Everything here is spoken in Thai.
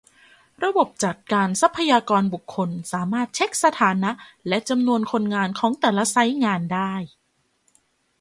ระบบจัดการทรัพยากรบุคคล สามารถเช็คสถานะและจำนวนคนงานของแต่ละไซต์งานได้